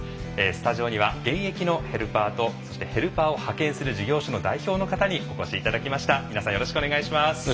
スタジオには現役のヘルパーとそして、ヘルパーを派遣する事業所の代表の方にお越しいただきました。